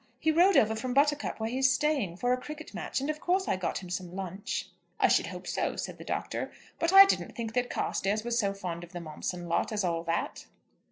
He rode over from Buttercup where he is staying, for a cricket match, and of course I got him some lunch." "I should hope so," said the Doctor. "But I didn't think that Carstairs was so fond of the Momson lot as all that."